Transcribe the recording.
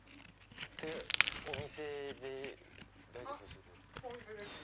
お店で大丈夫ですよね？